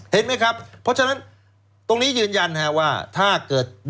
เห็นไหมครับเพราะฉะนั้นตรงนี้ยืนยันว่าถ้าเกิด